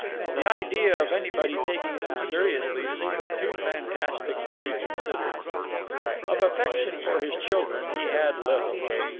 The idea of anybody taking them seriously seemed too fantastic to be considered. Of affection for his children he had little.